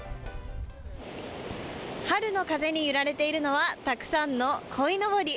春の風に揺られているのは、たくさんのこいのぼり。